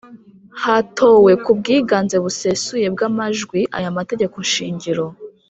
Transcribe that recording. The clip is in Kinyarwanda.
Hatowe ku bwiganze busesuye bw’amajwi aya mategeko shingiro